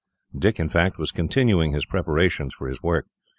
Dick, in fact, was continuing his preparations for his work.